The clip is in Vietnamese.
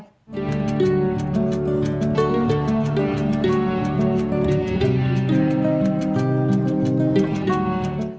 hẹn gặp lại